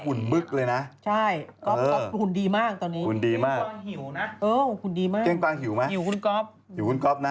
อุ่นบึ๊กเลยนะคุณคุณดีมากตอนนี้แกงกวางหิวนะหิวคุณก๊อฟหิวคุณก๊อฟนะ